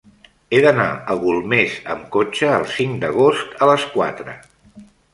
He d'anar a Golmés amb cotxe el cinc d'agost a les quatre.